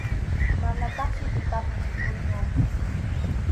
Manataqsi pitapas rikunchu.